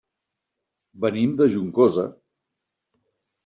Venim de Juncosa.